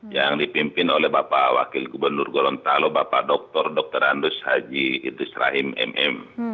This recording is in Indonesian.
yang dipimpin oleh bapak wakil gubernur gorontalo bapak dr dr andus haji idris rahim mm